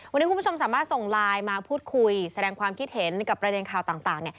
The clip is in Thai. วันนี้คุณผู้ชมสามารถส่งไลน์มาพูดคุยแสดงความคิดเห็นกับประเด็นข่าวต่าง